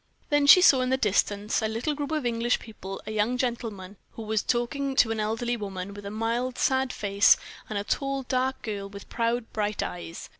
Then she saw in the distance a little group of English people; a young gentleman, who was talking to an elderly lady, with a mild, sad face, and a tall, dark girl with proud, bright eyes.